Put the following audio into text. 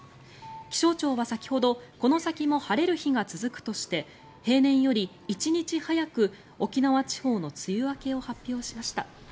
気象庁は先ほどこの先も晴れる日が続くとして平年より１日早く沖縄地方の梅雨明けを発表しました。